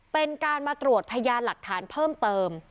เป็นการมาตรวจพยานหลักฐานเพิ่มเติม